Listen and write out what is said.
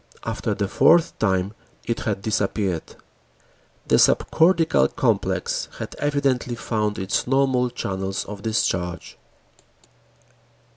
After the fourth time, it had disappeared. The subcortical complex had evidently found its normal channels of discharge.